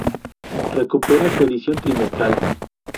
Recupera su edición trimestral.